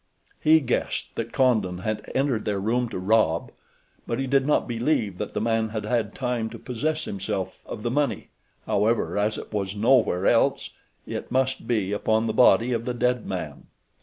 He guessed that Condon had entered their room to rob; but he did not believe that the man had had time to possess himself of the money; however, as it was nowhere else, it must be upon the body of the dead man.